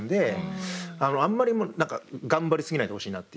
あんまり何か頑張り過ぎないでほしいなっていう。